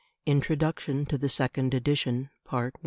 INTRODUCTION TO THE SECOND EDITION.